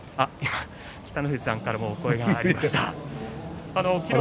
今、北の富士さんからもお声が上がりました。